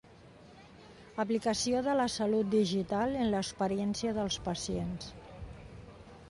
Aplicació de la salut digital en l'experiència del pacient.